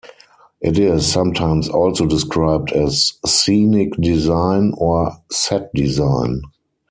It is sometimes also described as "scenic design" or "set design".